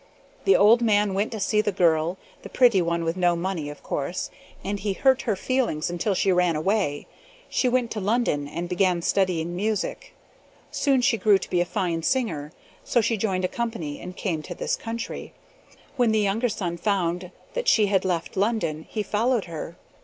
"The old man went to see the girl the pretty one with no money, of course and he hurt her feelings until she ran away. She went to London and began studying music. Soon she grew to be a fine singer, so she joined a company and came to this country. "When the younger son found that she had left London, he followed her.